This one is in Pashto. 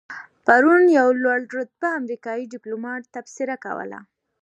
پرون یو لوړ رتبه امریکایي دیپلومات تبصره کوله.